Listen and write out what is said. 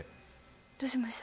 どうしました？